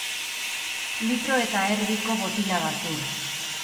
Litro eta erdiko botila bat ur.